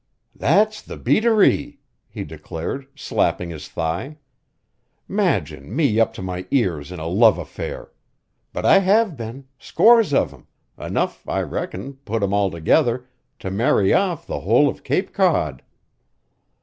"That's the beatereee!" he declared, slapping his thigh. "'Magine me up to my ears in a love affair! But I have been scores of 'em, enough I reckon, put 'em all together, to marry off the whole of Cape Cod."